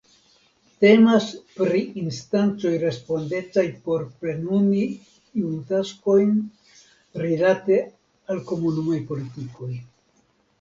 Temas pri instancoj respondecaj por plenumi iujn taskojn rilate al Komunumaj politikoj.